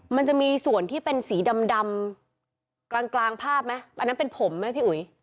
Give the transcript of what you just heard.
มันจะมีส่วนที่เป็นสีดำกลางกลางภาพไหมอันนั้นเป็นผมไหมพี่อุ๋ย